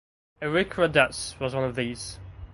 Erich Raddatz was one of these.